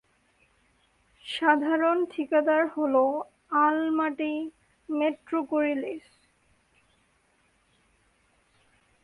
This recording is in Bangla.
সাধারণ ঠিকাদার হল আলমাটিমেট্রোকুরিলিস।